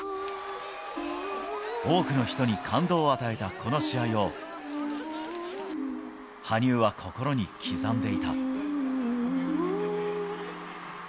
多くの人に感動を与えたこの試合を、羽生は心に刻んでいた。